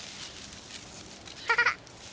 ハハハッ！